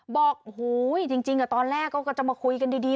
บอกโอ้โหจริงตอนแรกก็จะมาคุยกันดี